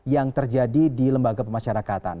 yang terjadi di lembaga pemasyarakatan